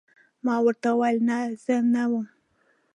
ما ورته وویل: نه، زه نه وم.